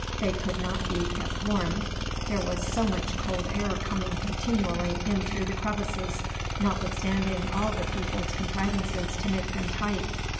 They could not be kept warm, there was so much cold air coming continually in through the crevices, notwithstanding all the people's contrivances to make them tight.